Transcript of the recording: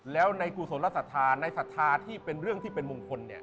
แล้วในกุศลสถานในสถานที่เป็นเรื่องที่เป็นมงคล